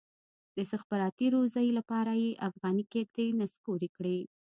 د استخباراتي روزۍ لپاره یې افغاني کېږدۍ نسکورې کړي.